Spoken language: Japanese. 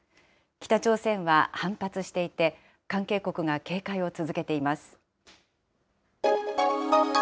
北朝鮮は反発していて、関係国が警戒を続けています。